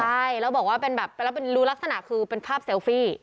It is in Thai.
ใช่แล้วบอกว่าเป็นแบบไปแล้วเป็นรูลักษณะคือเป็นภาพเซลฟี่